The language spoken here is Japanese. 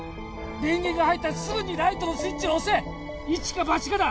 電源が入ったらすぐにライトのスイッチを押せ一か八かだ